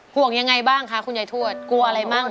ห่วงยังไงบ้างคะคุณยายทวดกลัวอะไรบ้าง